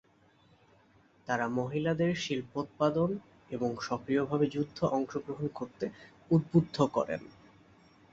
তাঁরা মহিলাদের শিল্পোৎপাদন এবং সক্রিয়ভাবে যুদ্ধে অংশগ্রহণ করতে উদ্বুদ্ধ করেন।